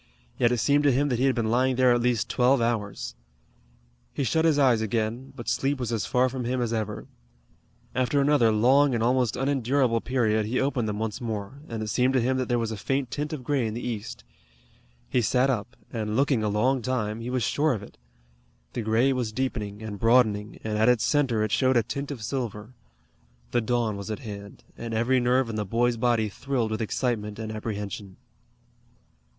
Yet it seemed to him that he had been lying there at least twelve hours. He shut his eyes again, but sleep was as far from him as ever. After another long and almost unendurable period he opened them once more, and it seemed to him that there was a faint tint of gray in the east. He sat up, and looking a long time, he was sure of it. The gray was deepening and broadening, and at its center it showed a tint of silver. The dawn was at hand, and every nerve in the boy's body thrilled with excitement and apprehension.